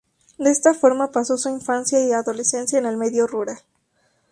De esta forma pasó su infancia y adolescencia en el medio rural.